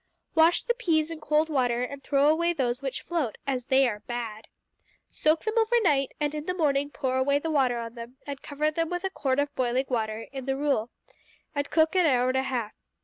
Wash the peas in cold water and throw away those which float, as they are bad. Soak them overnight, and in the morning pour away the water on them and cover them with a quart of the boiling water in the rule, and cook an hour and a half.